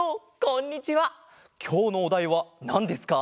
きょうのおだいはなんですか？